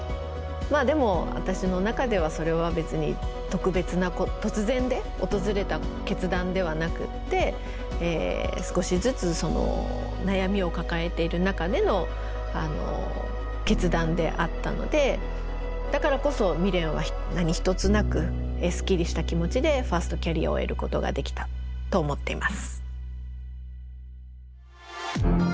まあでも私の中ではそれは別に特別な突然で訪れた決断ではなくって少しずつ悩みを抱えている中での決断であったのでだからこそ未練は何一つなくすっきりした気持ちでファーストキャリアを終えることができたと思っています。